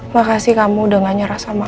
makasih kamu udah gak nyerah sama aku